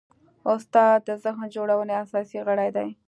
استاد د ذهن جوړونې اساسي غړی دی.